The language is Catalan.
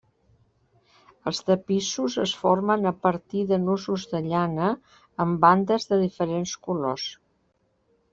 Els tapissos es formen a partir de nusos de llana amb bandes de diferents colors.